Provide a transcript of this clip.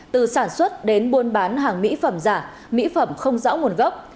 từ sản xuất đến buôn bán hàng mỹ phẩm giả mỹ phẩm không rõ nguồn gốc